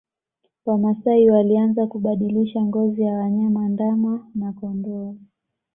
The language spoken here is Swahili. Wamasai walianza kubadilisha ngozi ya wanyama ndama na kondoo